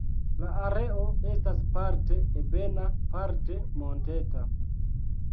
La areo estas parte ebena, parte monteta.